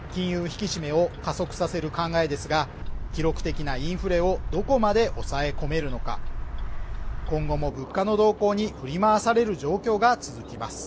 引き締めを加速させる考えですが記録的なインフレをどこまで抑え込めるのか今後も物価の動向に振り回される状況が続きます